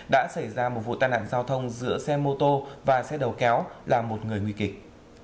đã xảy ra một vụ tai nạn giao thông giữa xe mô tô và xe đầu kéo là một người nguy kịch